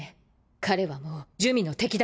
彼はもう珠魅の敵だ。